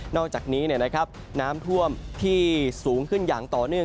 อกจากนี้น้ำท่วมที่สูงขึ้นอย่างต่อเนื่อง